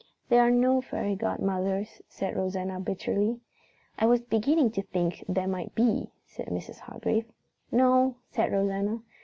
"There are no fairy godmothers," said Rosanna bitterly. "I was beginning to think there might be," said Mrs. Hargrave. "No," said Rosanna.